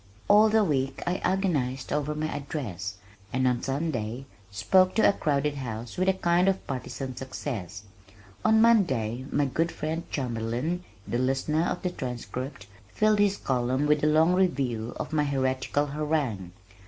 All the week I agonized over my address, and on Sunday spoke to a crowded house with a kind of partisan success. On Monday my good friend Chamberlin, The Listener of The Transcript filled his column with a long review of my heretical harangue.